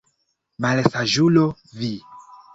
Malsaĝulo vi!